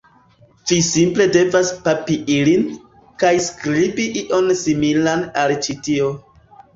Vi simple devas pepi ilin, kaj skribi ion similan al ĉi tio